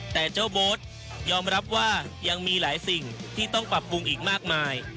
แต่เจ้าโบสต์ยอมรับว่ายังมีหลายสิ่งที่ต้องปรับปรุงงาน